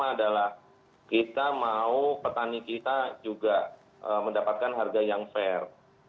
pertama adalah kita mau petani kita juga mendapatkan harga yang fair